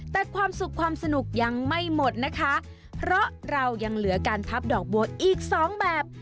แต่ความสุขความสนุกยังไม่หมดนะคะเพราะเรายังเหลือการทับดอกบัวอีกสองแบบ